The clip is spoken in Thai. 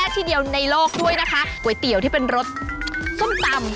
ที่เดียวในโลกด้วยนะคะก๋วยเตี๋ยวที่เป็นรสส้มตำ